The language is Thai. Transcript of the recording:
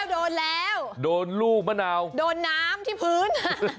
โดนแล้วโดนลูกมะนาวโดนน้ำที่พื้น